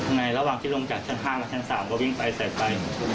ในระหว่างที่ลงจากชั้น๕แล้วชั้น๓ก็วิ่งไปใส่ไป